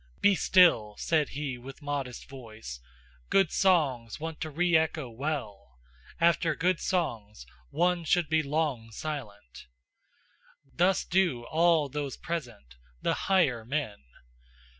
"Be still!" said he with modest voice, "good songs want to re echo well; after good songs one should be long silent. Thus do all those present, the higher men.